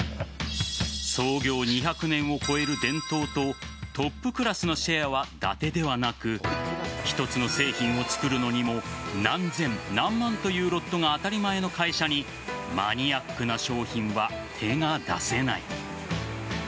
創業２００年を超える伝統とトップクラスのシェアはだてではなく一つの製品を作るのにも何千、何万というロットが当たり前の会社にマニアックな商品は手が出せない。